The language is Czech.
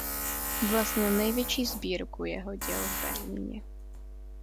Vlastnil největší sbírku jeho děl v Berlíně.